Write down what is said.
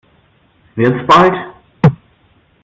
Wird's bald?